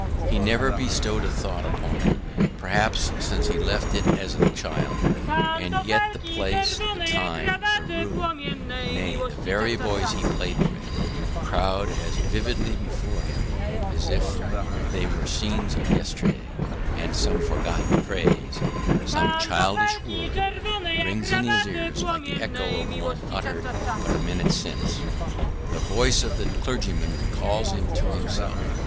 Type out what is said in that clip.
He has never bestowed a thought upon it, perhaps, since he left it as a child: and yet the place, the time, the room nay, the very boys he played with, crowd as vividly before him as if they were scenes of yesterday; and some forgotten phrase, some childish word, rings in his ears like the echo of one uttered but a minute since. The voice of the clergyman recalls him to himself.